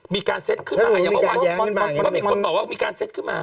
มีการเซ็ตขึ้นมามีคนบอกว่ามีการเซ็ตขึ้นมา